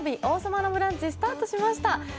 「王様のブランチ」スタートしました。